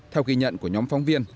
theo ghi nhận của nhóm phóng viên